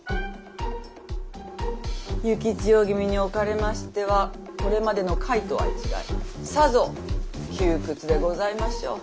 幸千代君におかれましてはこれまでの甲斐とは違いさぞ窮屈でございましょう。